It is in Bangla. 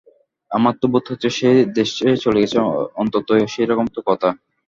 আমার তো বোধ হচ্ছে সে দেশে চলে গেছে, অন্তত সেইরকম তো কথা।